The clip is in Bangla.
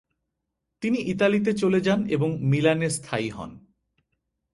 তিনি ইতালিতে চলে যান, এবং মিলানে স্থায়ী হন।